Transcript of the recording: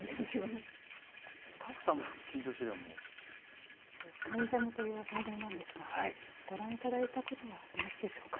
「スタッフさんも緊張してるやんもう」『関ジャム』という番組なんですがご覧いただいた事はありますでしょうか？